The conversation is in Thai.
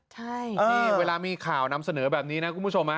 ใช่นี่เวลามีข่าวนำเสนอแบบนี้นะคุณผู้ชม